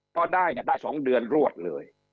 ก็ได้ได้๒เดือนรวดเลย